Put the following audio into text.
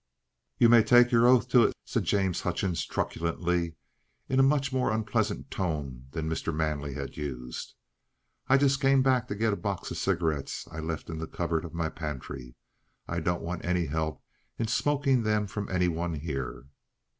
"You may take your oath to it!" said James Hutchings truculently, in a much more unpleasant tone than Mr. Manley had used. "I just came back to get a box of cigarettes I left in the cupboard of my pantry. I don't want any help in smoking them from any one here."